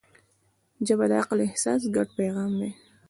ژبه د عقل او احساس ګډ پیغام دی